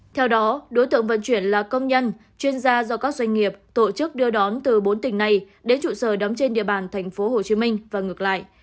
theo đó đối tượng vận chuyển là công nhân chuyên gia do các doanh nghiệp tổ chức đưa đón từ bốn tỉnh này đến trụ sở đóng trên địa bàn tp hcm và ngược lại